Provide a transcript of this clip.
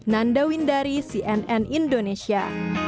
nanda windari cnn indonesia